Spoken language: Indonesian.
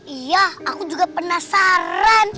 iya aku juga penasaran